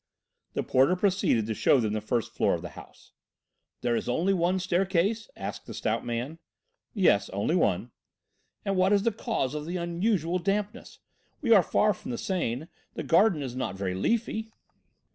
The porter proceeded to show them the first floor of the house. "There is only one staircase?" asked the stout man. "Yes, only one." "And what is the cause of the unusual dampness? We are far from the Seine; the garden is not very leafy."